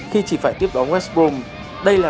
khi chỉ phải tiếp đón west brom đây là